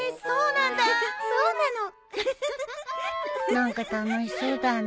何か楽しそうだね。